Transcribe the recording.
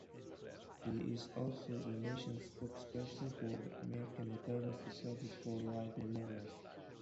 He is also the national spokesperson for the American Veterans Disabled for Life Memorial.